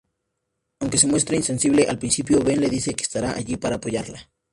Aunque se muestra insensible al principio, Ben le dice que estará allí para apoyarla.